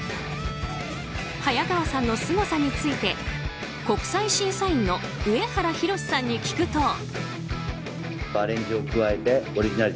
早川さんのすごさについて国際審査員の上原洋さんに聞くと。